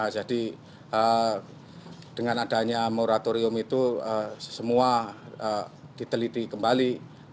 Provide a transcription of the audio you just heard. jadi dengan adanya moratorium itu semua diteliti kembali